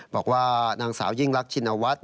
บอกว่านางสาวยิ่งรักชินวัฒน์